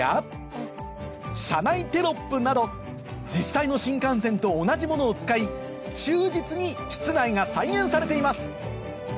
など実際の新幹線と同じものを使い忠実に室内が再現されています